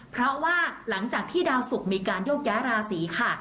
เพราะว่าหลังจากที่ดาวสุกมีการโยกย้ายราศีค่ะ